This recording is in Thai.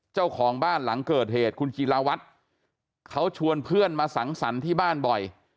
เจ้าของบ้านหลังเกิดเหตุคุณจิลาวัฒน์เขาชวนเพื่อนมาสังสรรค์ที่บ้านบ่อย